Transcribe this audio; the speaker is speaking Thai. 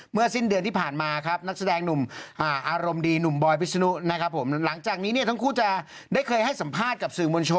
เมื่อสิ้นเดือนที่ผ่านมาครับ